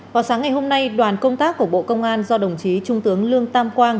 vào sáng ngày hôm nay đoàn công tác của bộ công an do đồng chí trung tướng lương tam quang